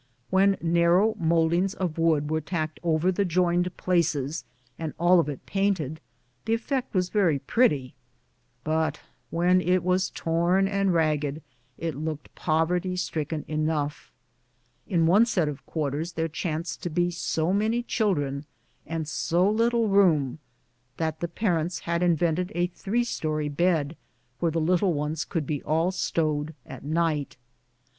When narrow mouldings of wood were tacked over the joined places, and all of it painted, the effect was very pretty. When it was torn and ragged it looked poverty stricken enough. In one set of quar ters there chanced to be so many children and so little room that the parents had invented a three story bed, where the little ones could be all stowed at night.